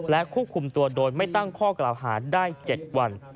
และคุกภุมตัวโดยไม่ตั้งข้อกราวหาได้๗วัน